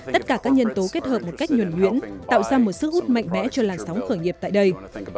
tất cả các nhân tố kết hợp một cách nhuẩn nhuyễn tạo ra một sức hút mạnh mẽ cho làn sóng khởi nghiệp tại đây